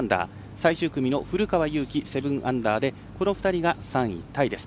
最終組も古川雄大、７アンダーでこの２人が３位タイです。